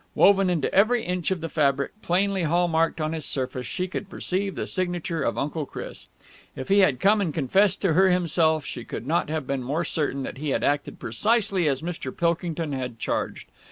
Woven into every inch of the fabric, plainly hall marked on its surface, she could perceive the signature of Uncle Chris. If he had come and confessed to her himself, she could not have been more certain that he had acted precisely as Mr. Pilkington had charged.